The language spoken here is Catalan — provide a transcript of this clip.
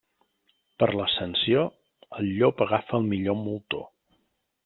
Per l'Ascensió, el llop agafa el millor moltó.